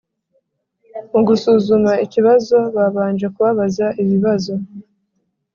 mu gusuzuma ikibazo babanje kubabaza ibibazo